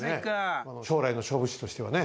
将来の勝負師としてはね